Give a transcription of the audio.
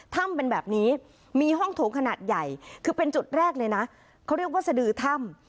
ถ้ำเป็นแบบนี้มีห้องโถงขนาดใหญ่คือเป็นจุดแรกเลยนะเขาเรียกว่าสดือถ้ำ